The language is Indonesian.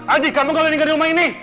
aldi kamu gak boleh meninggal di rumah ini